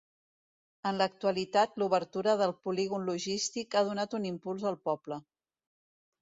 En l'actualitat l'obertura del polígon logístic ha donat un impuls al poble.